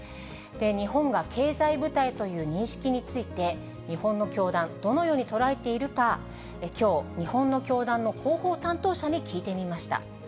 日本が経済部隊という認識について、日本の教団、どのように捉えているか、きょう、日本の教団の広報担当者に聞いてみました。